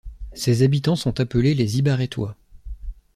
Ses habitants sont appelés les Hibarettois.